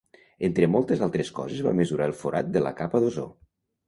Entre moltes altres coses va mesurar el forat de la capa d'ozó.